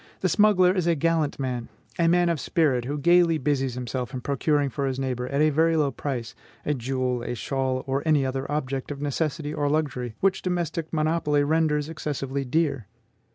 The smuggler is a gallant man, a man of spirit, who gaily busies himself in procuring for his neighbor, at a very low price, a jewel, a shawl, or any other object of necessity or luxury, which domestic monopoly renders excessively dear."